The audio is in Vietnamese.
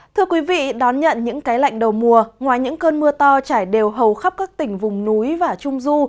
thưa quý vị đón nhận những cái lạnh đầu mùa ngoài những cơn mưa to trải đều hầu khắp các tỉnh vùng núi và trung du